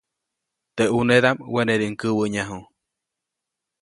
Teʼ ʼunedaʼm wenediʼuŋ käwäʼnyaju.